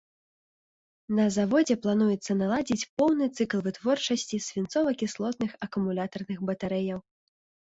На заводзе плануецца наладзіць поўны цыкл вытворчасці свінцова-кіслотных акумулятарных батарэяў.